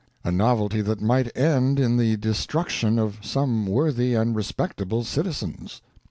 A novelty that might end in the destruction of some worthy and respectable citizens.